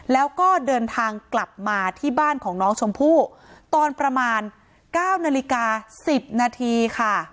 แล้วก็เดินทางกลับมาที่บ้านของน้องชมพู่ตอนประมาณ๙นาฬิกา๑๐นาทีค่ะ